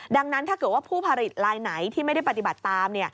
ดังนั้นถ้าเกิดว่าผู้ผลิตลายไหนที่ไม่ได้ปฏิบัติตาม